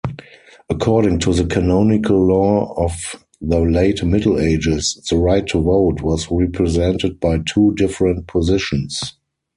According to the canonical law of the late middle ages, the right to vote was represented by two different positions.